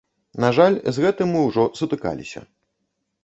На жаль, з гэтым мы ўжо сутыкаліся.